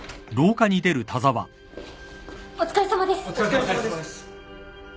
お疲れさまです。